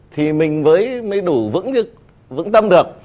thì mình mới đủ vững tâm được